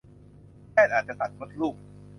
แพทย์อาจจะตัดมดลูก